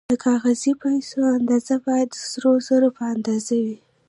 د کاغذي پیسو اندازه باید د سرو زرو په اندازه وي